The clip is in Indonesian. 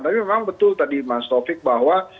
tapi memang betul tadi mas taufik bahwa